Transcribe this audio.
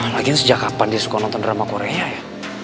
lagiin sejak kapan dia suka nonton drama korea ya